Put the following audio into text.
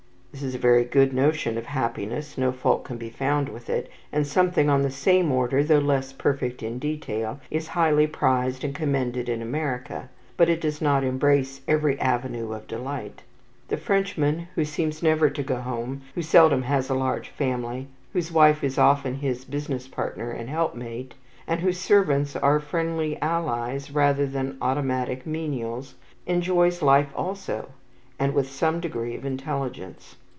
This is a very good notion of happiness, no fault can be found with it, and something on the same order, though less perfect in detail, is highly prized and commended in America. But it does not embrace every avenue of delight. The Frenchman who seems never to go home, who seldom has a large family, whose wife is often his business partner and helpmate, and whose servants are friendly allies rather than automatic menials, enjoys life also, and with some degree of intelligence.